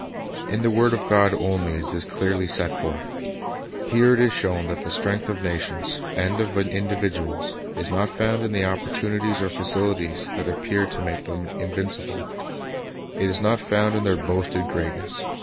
In the word of God only is this clearly set forth. Here it is shown that the strength of nations, as of individuals, is not found in the opportunities or facilities that appear to make them invincible; it is not found in their boasted greatness.